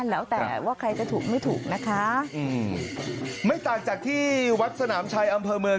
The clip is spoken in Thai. แล้วแต่ว่าใครจะถูกไม่ถูกนะคะอืมไม่ต่างจากที่วัดสนามชัยอำเภอเมือง